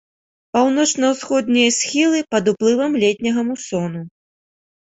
Паўночна-ўсходнія схілы пад уплывам летняга мусону.